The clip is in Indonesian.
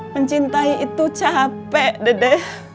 mencintai itu capek dede